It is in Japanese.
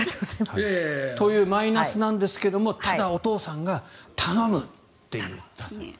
というマイナスなんですがただ、お父さんが頼むって言った。